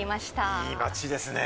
いい街ですね。